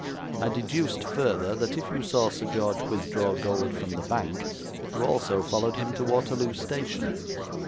I deduced further that if you saw Sir George withdraw gold from the bank, you also followed him to Waterloo station.'